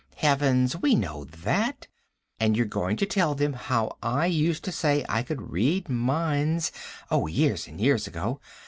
"Heavens, we know that. And you're going to tell them how I used to say I could read minds ... oh, years and years ago.